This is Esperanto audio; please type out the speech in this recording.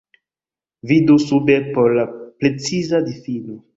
Vidu sube por la preciza difino.